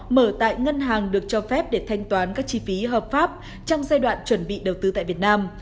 mở tại ngân hàng được cho phép để thanh toán các chi phí hợp pháp trong giai đoạn chuẩn bị đầu tư tại việt nam